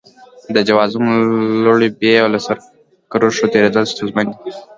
د جوازونو لوړې بیې او له سرو کرښو تېرېدل ستونزمن دي.